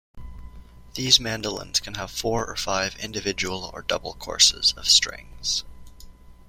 These mandolins can have four or five individual or double courses of strings.